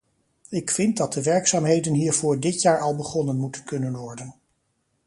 Ik vind dat de werkzaamheden hiervoor dit jaar al begonnen moeten kunnen worden.